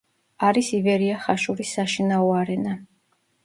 არის ივერია ხაშურის საშინაო არენა.